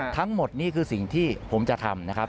ทั้งหมดนี่คือสิ่งที่ผมจะทำนะครับ